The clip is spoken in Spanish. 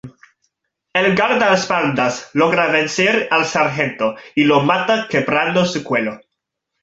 El guardaespaldas logra vencer al sargento y lo mata quebrando su cuello.